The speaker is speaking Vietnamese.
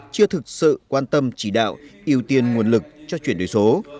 chưa thực sự quan tâm chỉ đạo ưu tiên nguồn lực cho chuyển đổi số